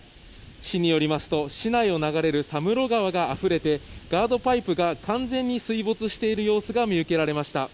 市によりますと、市内を流れる佐室川があふれて、ガードパイプが完全に水没している様子が見受けられました。